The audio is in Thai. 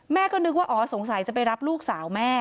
ก็นึกว่าอ๋อสงสัยจะไปรับลูกสาวแม่